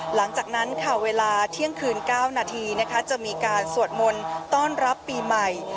หลังจากนั้นค่ะเวลาเที่ยงคืน๙นาทีจะมีการสวดมนต์ต้อนรับปีใหม่